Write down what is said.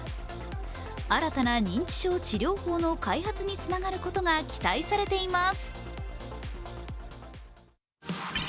新たな認知症治療法の開発につながることが期待されています。